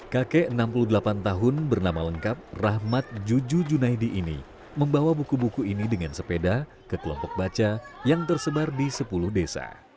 kakek enam puluh delapan tahun bernama lengkap rahmat juju junaidi ini membawa buku buku ini dengan sepeda ke kelompok baca yang tersebar di sepuluh desa